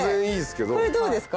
これどうですか？